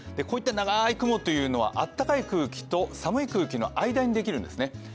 こういった長い雲はあったかい空気と寒い空気の間にできるんですね。